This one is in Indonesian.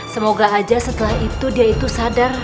semoga aja setelah itu dia itu sadar